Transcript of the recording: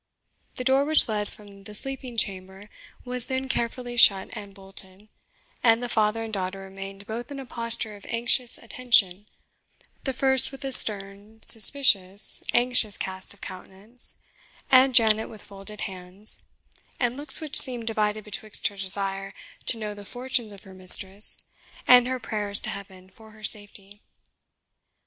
The door which led from the sleeping chamber was then carefully shut and bolted, and the father and daughter remained both in a posture of anxious attention, the first with a stern, suspicious, anxious cast of countenance, and Janet with folded hands, and looks which seemed divided betwixt her desire to know the fortunes of her mistress, and her prayers to Heaven for her safety.